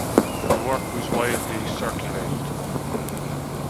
The work was widely circulated.